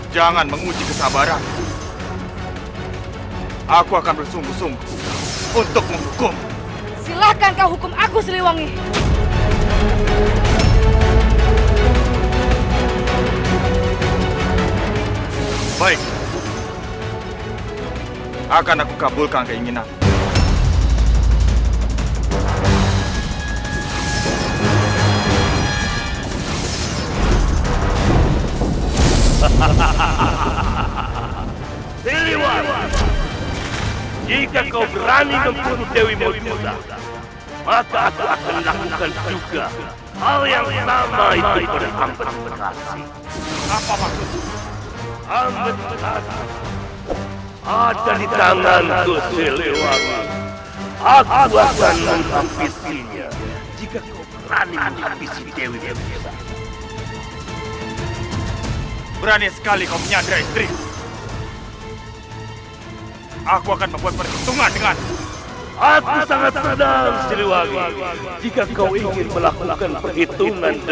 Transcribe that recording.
jangan lupa like share dan subscribe channel ini untuk dapat info terbaru